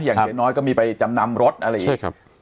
อย่างน้อยก็มีไปจำนำรถอะไรอีก